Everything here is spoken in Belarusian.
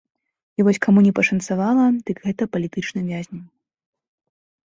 А вось каму не пашанцавала, дык гэта палітычным вязням.